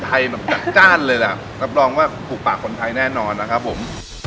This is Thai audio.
แบบจัดจ้านเลยล่ะรับรองว่าถูกปากคนไทยแน่นอนนะครับผม